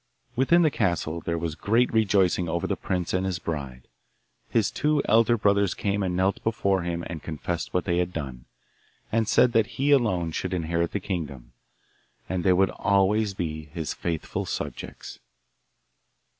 Within the castle there was great rejoicing over the prince and his bride. His two elder brothers came and knelt before him and confessed what they had done, and said that he alone should inherit the kingdom, and they would always be his faithful subjects.